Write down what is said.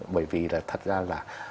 bởi vì thật ra là